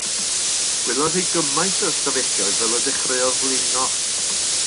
Gwelodd hi gymaint o ystafelloedd fel y dechreuodd flino.